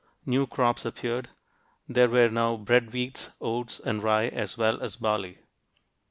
New crops appeared; there were now bread wheat, oats, and rye, as well as barley.